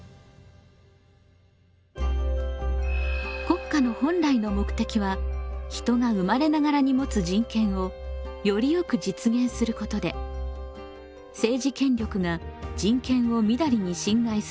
国家の本来の目的は人が生まれながらにもつ人権をよりよく実現することで政治権力が人権をみだりに侵害することは許されません。